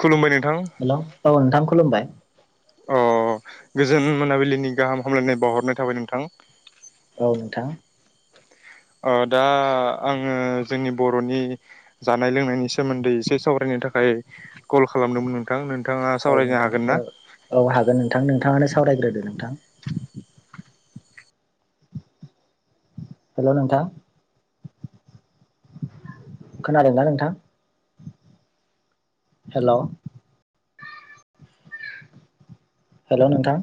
खुलुमबाय नोंथां हेल' औ नोंथां खुलुमबाय। अ गोजोन मोनाबिलिनि गाहाम हामलायनाय बावहरनाय थाबाय नोंथां। औ नोंथां। ओ दा आङो जोंनि बर'नि जानाय लोंनायनि सोमोन्दै एसे सावरायनो नि थाखाय कल खालामदोंमोन नोंथां। नोंथाङा औ सावरायनो नोंथां हागोन ना औ हागोन नोंथां। नोंथाङानो सावरायग्रोदो नोंथां। [inaudible] हेल' नोंथां। खोनादोंना नोंथां? हेल' । हेल' नोंथां।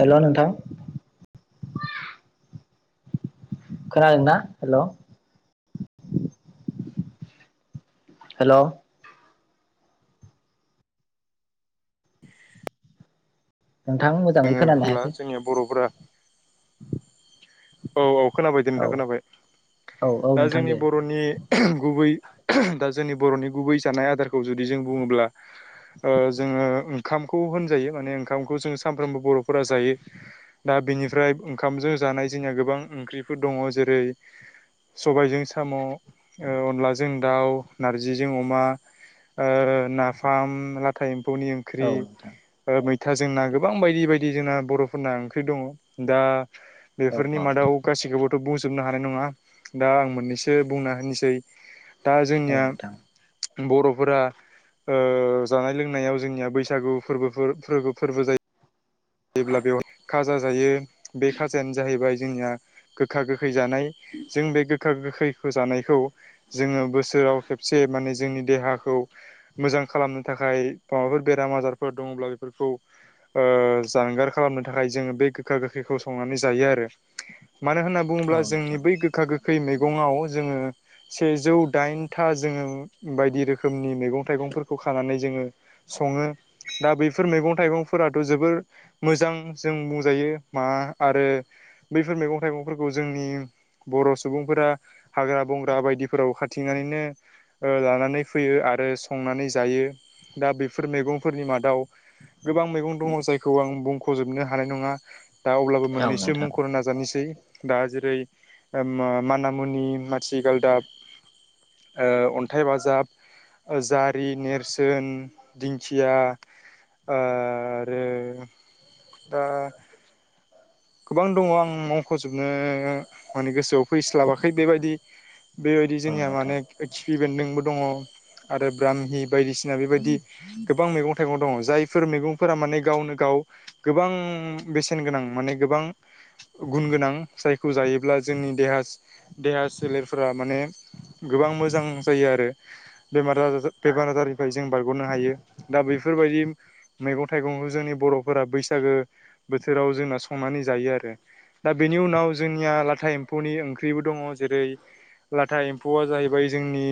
हेल' नोंथां। खोनादोंना? हेल' हेल' नोंथां मो [unintelligible] जोंनिया बर'फोरा [inaudible] औ औ खोनाबाय दे नोंथां औ खोनाबाय औ औ ।दा नोंथां जोंनि दे बर'नि गुबै दा जोंनि बर'नि गुबै जानाय आदारखौ जुदि जों बुङोब्ला ओ जोङो ओंखामखौ होनजायो ।माने ओंखामखौ जोङो सामफ्रोमबो बर'फोरा जायो। दा बेनिफ्राय ओंखामजों जानाय जोंनिया गोबां ओंख्रिफोर दङ जेरै सबायजों साम' ओ, अनलाजों दाउ, नारजिजों अमा। नाफाम लाथाय एम फौनि ओंख्रि औ नोंथां ओ‌ मैथा जोंना गोबां बायदि बायदि। जोंना बर'फोरना ओंख्रि दङ। दा औ बेफोरनि मादाव गासिखौथ' बुं जोबनो हानाय नङा ।दा आं मोननैसो बुंना होनोसै दा औ जोंनिया नोंथां बर'फोरा ओ जानाय लोंनायाव जोंनिया बैसागु फोरबोफोर फोर फोरबो जायो। जायोब्ला बेयाव खाजा जायो ।बे खाजायानो जाहैबाय जोंनिया गोखा गोखै जानाय जों बे गोखा गो खैखो जानायखौ जोङो बोसोराव खेबसे माने जोंनि देहाखौ मोजां खालामनो थाखाय माबाफोर बेराम आजारफोर दङ ब्ला बेफोरखौ ओ जानगार खालामनो थाखाय जोङो बे गोखा गोखैखौ संनानै जायो आरो। मानो होनना औ बुङोब्ला जोंनि नोंथां बै गोखा गोखै मैगङाव जोङो सेजौ दाइनथा जोङो बायदि रोखोमनि मैगं थाइगंफोरखौ खानानै जोङो सङो ।दा बैफोर मैगं थाइगंफोराथ' जोबोर मोजां जों बुंजायो मा आरो बैफोर मैगं थाइगंफोरखौ जोंनि बर' सुबुंफोरा हाग्रा बंग्रा बायदिफोराव खाथिंनानैनो ओ लानानै फैयो ।आरो संनानै जायो । दा बेफोर मैगंफोरनि मादाव गोबां मैगं दङ जाय खौ आं बुंख'जोबनो हानाय नङा । दा अब्लाबो औ मोननैसो नोंथां मुंख'नो नाजानोसै। दा जेरै मानामुनि, मानथिगालदाब अन्थाइ बाजाब जारि, नेरसोन, दिंखिया ओ आरो- दा गोबां दङ ।आं मावख'जोबनो माने गोसोआव फैस्लाबाखै बेबायदि बेबायदि औ जोंनिया नोंथां माने खिफि बेन्दोंबो दङ ।आरो ब्राह्हि बायदिसिना बेबायदि गोबां मैगं थाइगं दं ।जायफोर मैगंफोरा माने गावनो गाव गोबां बेसेन गोनां माने गोबां गुन गोनां जायखौ जायोब्ला जोंनि देहा देहा सोलेरफोरा माने गोबां मोजां जायो आरो। बेमार आजार बेमार आजारनिफ्राय जों बारग'नो हायो । दा बेैफोरबायदि मैगं थाइगंखौ जोंनि बर'फोरा बैसागो बोथोराव जोंना सं संनानै जायो आरो दा बेनि उनाव जोंनिया लाथा एम्फौनि ओंख्रिबो दङ। जेरै लाथा एम्फौआ जाहैबाय जोंनि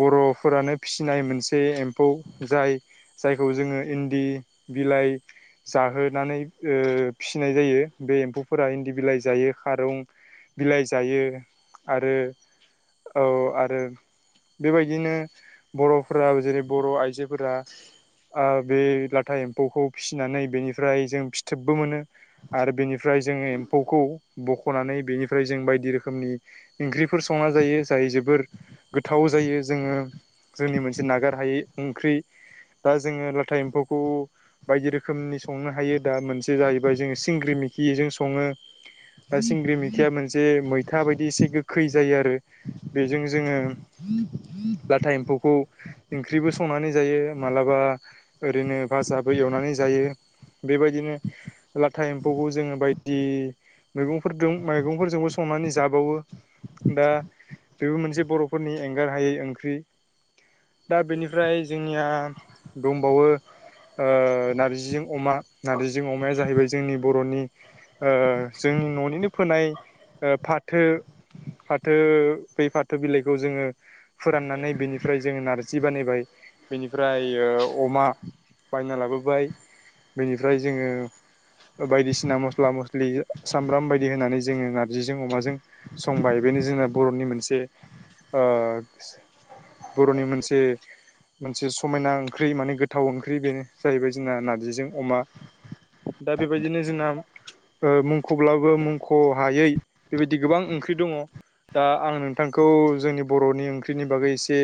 बर'फोरानो फिसिनाय मोनसे एम्फौ जा जायखौ जोंङो इन्दि बिलाइ जोहोनानै फिसिनाय जायो। बे एम्फौफोरा इन्दि बिलाइ जायो खारुं बिलाइ जायो आरो औ आरो बेबायदिनो बर'फोरा जेरै बर' आइजोफोरा ओ। बे लाथा एम्फौखौ फिसिनानै बेनिफ्राय जों फिथोबबो मोनो। आरो बेनिफ्राय जोंङो एम्फौखौ बख'नानै बेनिफ्राय जों बायदि रोखोमनि ओंख्रि फोर संना जायो। जाय जोबोर गोथाव जायो जों ङो जोंनि मोनसे नागार हायै ओंख्रि दा जोंङो लाथा एम्फौखौ बायदि रोखोमनि संनो हायो दा मोनसे जाहैबाय सिंग्रि मिखिजों सङो दा सिंग्रि मिखिया मोनसे मै था बायदि एसे गोखै जायो आरो। बेजों जोंङो [inaudible] ओंख्रिबो संनानै जायो मालाबा ओरैनो भाजाबो एवनानै जायो। बेबायदिनो लाथा एम्फौखौ जोंङो बायदि मैगंफोरदो मैगंफोरजोंबो संनानै जाबावो। दा बेबो मोनसे बर'फोरनि एंगार हायै ओंख्रि। दा बेनिफ्राय जोंनिया दंबावो ओ नारजिजों अमा नार्जिजों अमाया जाहैबाय जोंनि बर'नि ओ जोंनि न'निनो फोनाय फाथो फाथो बै फाथो बिलाइखौ जोङो फोराननानै बिनिफ्राय जोङो नार्जि बानायबाय। बेनिफ्राय अमा बायना लाबोबाय बेनिफ्राय जोङो [inaudible] बायदिसिना मस्ला मस्लि सामब्राम बायदि होनानै जोङो नारजिजों अमाजों संबाय बेनो जों बर'नि मोनसे ओ बर'नि मोनसे मोनसे समायना ओंख्रि माने गोथाव ओंख्रि बेनो जाहैबाय जोंना नारजिजों अमा। दा बेबायदिनो जोंना ओ मुंख'ब्लाबो मुंख' हायै बेबायदि गोबां ओंख्रि दङ। दा आं नोंथांखौ जोंनि बर'नि ओंख्रिनि बागै एसे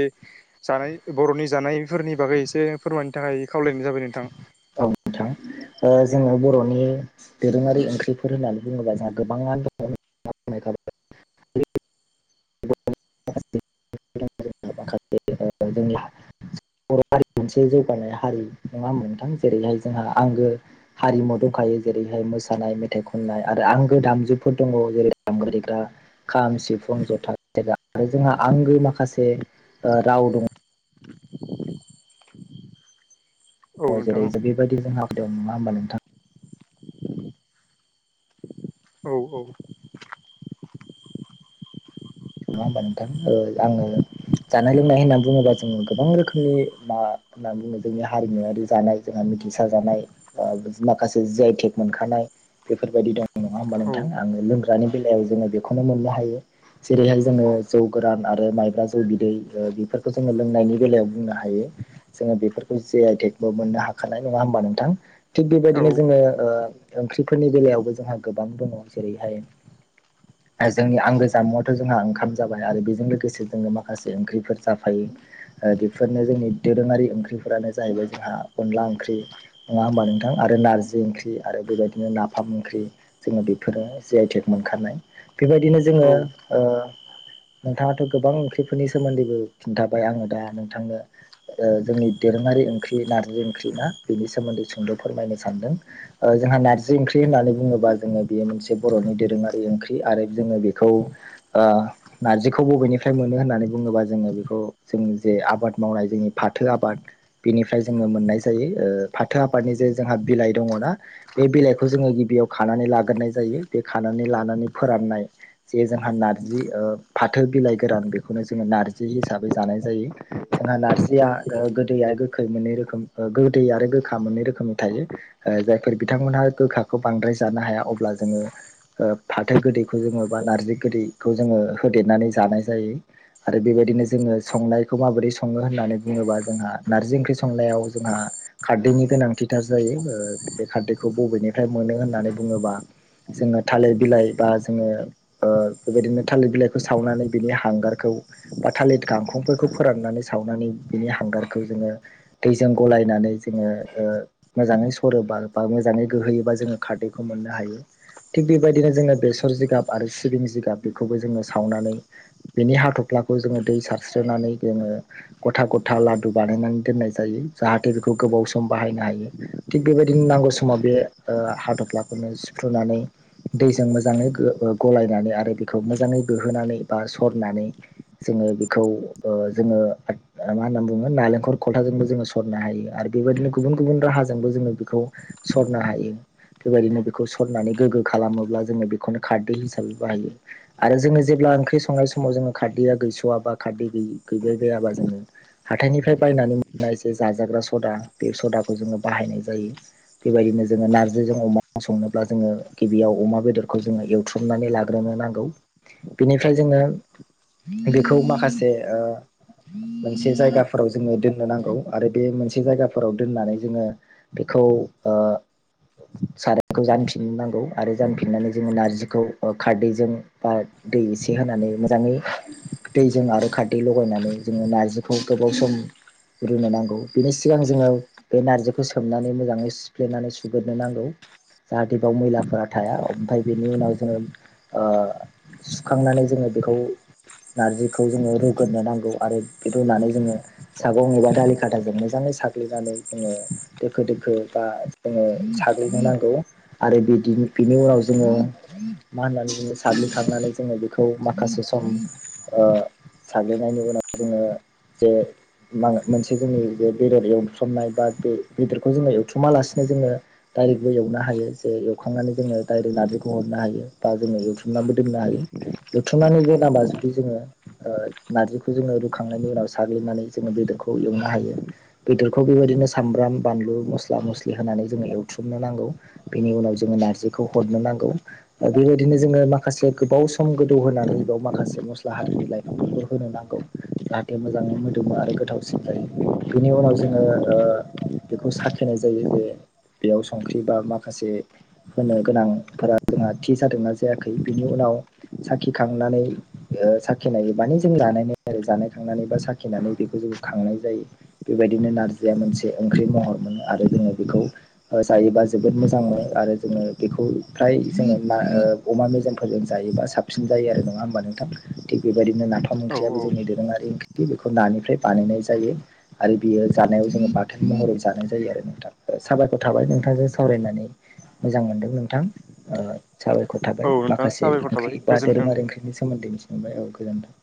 जानाय बर'नि जानाय फोरनि बागै एसे फोरमायनो थाखाय खावलायनाय जाबाय नोंथां। औ नोंथां ओ जोंङो बर'नि दोरोङारि ओंख्रिफोर होननानै बुङोबा जोंहा गोबां [inaudible] [unintelligible] बर' हारिया मोनसे जौगानाय हारि नङा होनबा नोंथां जेरैहाय जोंहा आंगो हारिमु दं आरो जेरैहाय मोसानाय मेथाइ खननाय आरो आंगो दामजुफोर दङ जेरै दामग्रा देग्रा खाम सिफुं जथा [unintelligible] आरो जोंहा आंगो माखासे राव दङ। औ जेरै जों बेबायदि जों आयदायाव नङा होमबा नोंथाङा औ औ। नङा होमबा नोंथां आङो जानाय लोंनाय होननानै बुङोबा जोङो गोबां रोखोमनि मा होनना बुङो जोंनि हारिमुवारि जानाय जोंहा मिथिसार जानाय माखासे जि आइ टेग मोनखानाय बेफोरबायदि दं नङा होमबा औ नोंथां आङो लोंग्रानि बेलायाव जोङो बेखौनो मोननो हायो जेरैहाय जोङो जौ गोरान आरो माइब्रा जौ बिदै बेफोरखौ जोङो लोंनायनि बेलायाव बुंनो हायो। ऋ बेफोरखौ जि आइ टेगबो मोननो हाखानाय नङा होनबा नोंथां थिग औ बेबायदिनो जोङो ओ फोरनि बेलायावबो जोंहा गोबां दङ जेरैहाय जोंनि आंगो जामुङाथ' जोंहा ओंखाम जाबाय आरो बेजों लोगोसे जोङो माखासे ओंख्रिफोर जाफायो बेफोरनो जोंनि दोरोङारि ओंख्रिफोरानो जाहैबाय जोंहा अनला ओंख्रि नङा होनबा नोंथां आरो नारजि ओंख्रि आरो बेबायदिनो नाफाम ओंख्रि जोङो बेफोरो जि आइ टेग मोनखानाय। बेबायदिनो जोङो [inaudible] नोंथाङाथ' गोबां ओंख्रिफोरनि सोमोन्दैबो खिन्थाबाय आङो दा नोंथांनो जोंनि दोरोङारि बे ओंख्रि नारजि ओंख्रिना बेनि सोमोन्दै सुंद फोरमायनो सानदों ओ जोंहा नारजि ओंख्रि होननानै बुङोबा जोङो बेयो मोनसे बरनि दोरोङारि ओंख्रि आरो जोङो बेखौ ओ नारजिखौ बबेनिफ्राय मोनो होननानै बुङोबा जोङो बेखौ जों जे आबाद मावनाय जोंनि फाथो आबाद बेनिफ्राय जोङो मोननाय जायो ओ फाथो आफादनि जे जोंहा बिलाइ दङना बे बिलाइखौ जों खौनो गिबियाव खानानै लाग्रोनाय जायो बे खानानै लानानै फोराननाय जे जोंहा नारजि ओह। फाथो बिलाइ गोरान बेखौनो जोङो नारजि हिसाबै जानाय जायो जोंहा नारजिया ओह गोदै या गोखै मोननै रोखोम ओ गोदै आरो गोखा मोननै रोखोमनि थायो जायफोर बिथांमोनहा गोखाखौ बांद्राय जानोहाया अब्ला जोङो ओ फाथो गोदैखौ जोङो बा नारजि गोदै खौ जोङो होदेरनानै जानाय जायो आरो बेबादिनो जोङो संनायखौ माबोरै सङो होननानै बुङोबा जोंहा नारजि ओंख्रि संनायाव जोंहा खारदैनि गोनांथिथार जायो ओ बे खारदैखौ बबेनिफ्राय मोन नो होननानै बुङोबा जोङो थालिर बिलाइ बा जोङो ओह बेबायदिनो थालिर बिलाइख सावनानै बिनि हांगारखौ बा थालिद गांखंफोरखौ फोराननानै सावनानै बिनि हांगारखौ जों ङो दैजों गलायनानै जोङो ओह मोजाङै सरोबा बा मोजाङै गोहोैयोबा जोंङो खारदैखौ मोननो हायो थिग बेबायदिनो जोङो बेसर जिगाब आरो सिबिं जिगाब बेखौबो जोङो सो सावनानै बेनि हाथफ्लाखौ जोङो दै सारस्रोननानै जोङो गथा गथा लाददु बानाय नायनानै दोननाय जायो जाहाथे बेखौ गोबाव सम बाहायनो हायो थि बेबायदिनो नांगौ समाव बे ओ हाथफ्ला खौनो सिफ्रुनानै दैजों मोजाङै गो ओ गलायनानै आरो बेखौ मोजाङै गोहो नानै बा सरनानै जोङो बेखौ ओ जोङो ओद मा होनना बुङो नालेंखर खलथाजोंबो जोङो सरनो हायो आरो बेबायदिनो गुबुन गुबुन राहाजोंबो जोङो बेखौ सरनोहायो बेबायदिनो बेखौ सरनानै गोगो खालामोब्ला जोङो बेखौनो खारदै हिसाबै बाहायो आरो जोङोज जेब्ला ओंख्रि संनाय समाव जोङो खारदैया गैसवाबा खारदै गैबाय बायाबा जोङो हाथाइनिफ्राय बाय बायनानै मोननाय जे जाजाग्रा सदा बे सदाखौ जोङो बाहायनाय जायो बेबायदिनो जोङो नारजिजों अमा संनोब्ला जोङो गिबियाव अमा बेदरखौ जोङो एवथ्रमनानै लाग्रोनाय नागौ बिनिफ्राय जोङो बेखौ माखासे ओह। मोनसे जायगाफोराव जोङो दोननो नांगौ आरो बे मोनसे जायगाफोराव दोननानै जोङो बेख खौ ओ। सारायखौ जानफिननांगौ आरो जानफिननानै जोङो नारजिखौ ओ खारदैजों बा दै इसे होनानै मोजाङै दैजों आरो खारदै लगायनानै जोङो नारजिखौगोबाव सम रुनो नांगौ बिनि सिगां जोङो बे नारजिखौ सोमनानै मोजाङै सिफ्लेनानै सुग्रोनो नांगौ जाहाथे बाव मैलाफोरा थाया ओमफाय बेनि उनाव जोङो ओ सुखांनानै जोङो बेखौ नारजिखौ जोङो रुग्रोनो नांगौ आरो बे रुनानै जोङो सागं एबा दालि खादाजों मोजाङै साग्लिनानै जोङो दोखो दोखो बा जोङो साग्लोबनो नांगौ आरो बेदि बिनि फिनि उनाव जोङो माहोननानै बुङो जोङो सग्लि खांनानै जोङो बेखौ माखासे सम ओ साग्लिनायनि उनाव जोङो जे मा मोनसे जोंनि बे बेदर एवथ्रुमनाय बा बे बेदरखौ जोङो एवथ्रुमालासिनो जोङो दायरेकबो एवनो हायो जे एवखांनानै जोङो दायरेक नारजिखौ हरनो हायो बा जोङो एवथ्रमनानबो दोननो हायो एवथ्रुमनानै दोनाबा जुदि जोङो ओ नारजिखौ जोंङो रुखांनायनि उनाव साग नानोय जों बेदरखौ एवनो हायो बेदरखौ बेबायदिनो सामब्राम बानलु मस्ला मस्लि होनानै जों। ङो एवथ्रुमनो नांगौ बेनि उनाव जोङो नारजिखौ हरनो नांगौ ओ बेबायदिनो जोङो माख माखासे गोबाव सम गोदौ होनोनानै बाव माखासे मस्ला हारिनि लाइफांफोरखौ होनोनांगौ जाहाथे मोजां। मोदोमो आरो गोथावसिन जायो बेनि उनाव जोङो ओ। बेखौ साखिनायजायो जे। बेयाव संख्रि बा माखासे होनो गोनांफोरा जोंहा थि जादोंना जाय खै बिनि उनाव साखिखांनानै। ओ साखिनायो मानि जों जानायनाय आरो जानायखांनानै बा साखिनानै बेखौ जों खांनाय जायो बेबायद इदिनो नोरजिया मोनसे ओंख्रि महर मोनो आरो जोङो बेखौ ओ जायोबा जोबो मोजां मोनो आरो जों। जोङो बेखौ फ्राय जोङो मा ओ अमा मेजमफोरजों जायोबा साबसिन जायो आरो नङा होमबा नोंथां थिक बेबायदि नाफ औ ओख्रिय जोंनि दोरङारि ओंख्रि बेखौ नानिफ्राय बानायनाय जायो आरो बियो जानायाव जोङो बाथोन महराव जानाय जायो आरो नोंथां साबायखर थाबाय नोंथांजों सावरायनानै मोजां मोनदों नोंथां साबायखर औ थाबाय नोंथां माखासे साबायखर ओंख्रि थाबाय बा गोजोन्थों। दोरोङारि ओंख्रिनि सोमोन्दै फंबाय औ गोजोनथों